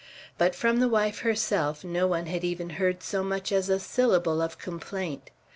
But from the wife herself no one had even heard so much as a syllable of complaint.